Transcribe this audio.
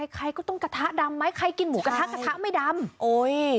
ใครก็ต้องกระทะดำไหมใครกินหมูกระทะกระทะไม่ดำโอ้ย